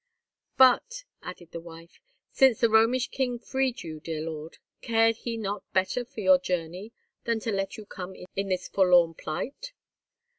"But," added the wife, "since the Romish king freed you, dear lord, cared he not better for your journey than to let you come in this forlorn plight?"